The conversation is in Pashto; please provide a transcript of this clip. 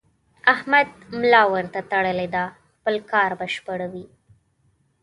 احمد ملا ورته تړلې ده؛ خپل کار بشپړوي.